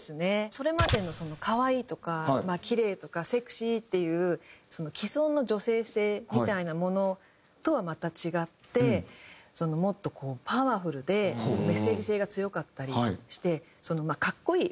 それまでの可愛いとかキレイとかセクシーっていう既存の女性性みたいなものとはまた違ってもっとこうパワフルでメッセージ性が強かったりして格好いい